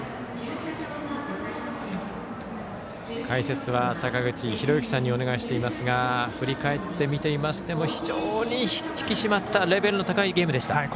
解説は坂口裕之さんにお願いしていますが振り返って見てみましても非常に引き締まったレベルの高いゲームでした。